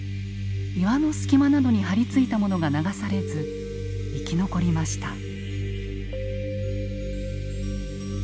岩の隙間などに張り付いたものが流されず生き残りました。